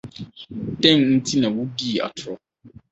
Dɛn nti na wudii atoro?